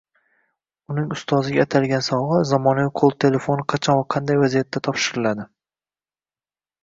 Uning ustoziga atalgan sovgʻa – zamonaviy qoʻl telefoni qachon va qanday vaziyatda topshiriladi?